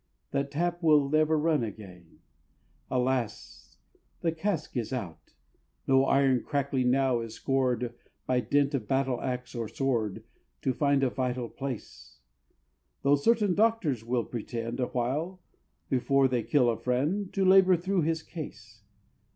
That tap will never run again Alas! the Casque is out! No iron crackling now is scored By dint of battle axe or sword, To find a vital place Though certain doctors still pretend, Awhile, before they kill a friend, To labor through his case.